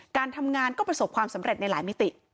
การทำงานก็ประสบความสำเร็จในหลายมิติ